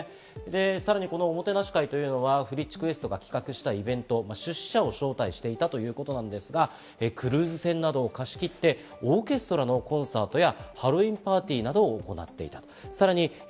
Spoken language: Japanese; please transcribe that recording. さらに、このおもてなし会というのＦＲｉｃｈＱｕｅｓｔが企画したイベント、出資者を招待していたということなんですが、クルーズ船などを貸し切って、オーケストラのコンサートや、ハロウィーンパーティーなどを行っていた。